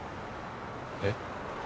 えっ？